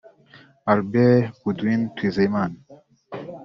Albert Boudouin Twizeyimana